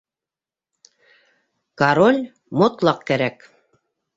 Король мотлаҡ кәрәк!